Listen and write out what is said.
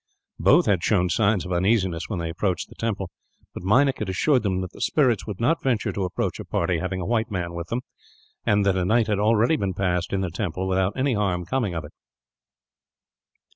Both had shown signs of uneasiness, when they approached the temple; but Meinik had assured them that the spirits would not venture to approach a party having a white man with them, and that a night had already been passed in the temple, without any harm coming of it.